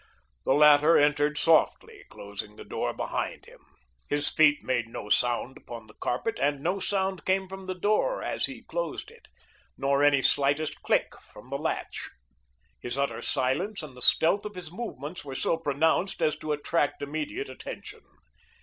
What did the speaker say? The latter entered softly, closing the door behind him. His feet made no sound upon the carpet, and no sound came from the door as he closed it, nor any slightest click from the latch. His utter silence and the stealth of his movements were so pronounced as to attract immediate attention.